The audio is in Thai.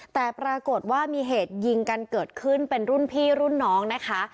แต่ปรากฏว่ามีเหตุยิงกันเกิดขึ้นเป็นรุ่นพี่รุ่นน้องนะคะ